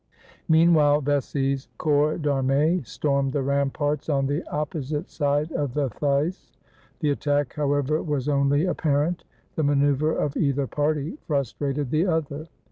Meanwhile, Vecsey's corps d^armee stormed the ram parts on the opposite side of the Theiss. The attack, however, was only apparent: the maneu ver of either party frustrated the other.